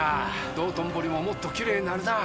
道頓堀ももっときれいになるなぁ。